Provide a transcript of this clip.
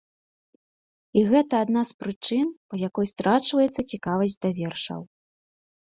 І гэта адна з прычын, па якой страчваецца цікавасць да вершаў.